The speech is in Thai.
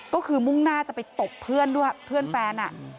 ก็คือมุ่งหน้าจะไปตบเพื่อนด้วยเพื่อนแฟน